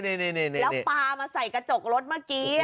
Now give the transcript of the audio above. นี่ปลามาใส่กระจกรถเมื่อกี้